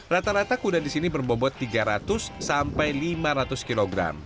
rata rata kuda di sini berbobot tiga ratus sampai lima ratus kg